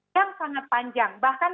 yang sangat panjang bahkan